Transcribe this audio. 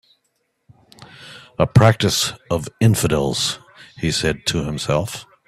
"A practice of infidels," he said to himself.